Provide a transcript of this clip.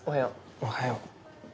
おはよう。